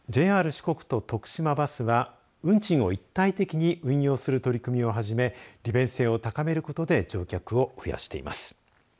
ＪＲ四国と徳島バスは運賃を一体的に運用する取り組みを始め利便性を高めることで乗客を増やしています。